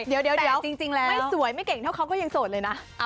เดี๋ยวจริงแล้วไม่สวยไม่เก่งเท่าเขาก็ยังโสดเลยนะ